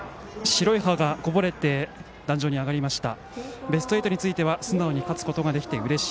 白い歯がこぼれて壇上に上がりました。